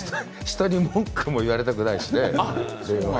人に文句も言われたくないしね。